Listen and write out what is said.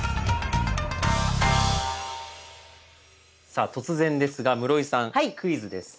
さあ突然ですが室井さんクイズです。